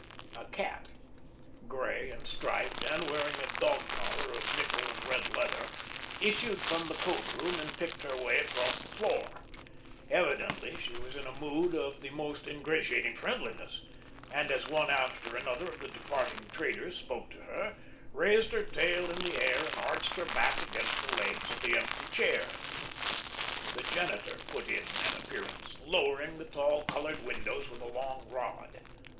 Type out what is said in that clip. A cat, grey and striped, and wearing a dog collar of nickel and red leather, issued from the coat room and picked her way across the floor. Evidently she was in a mood of the most ingratiating friendliness, and as one after another of the departing traders spoke to her, raised her tail in the air and arched her back against the legs of the empty chairs. The janitor put in an appearance, lowering the tall colored windows with a long rod.